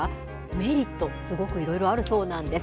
メリット、すごくいろいろあるそうなんです。